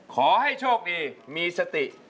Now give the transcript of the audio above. ขอให้โชคดีมีสติ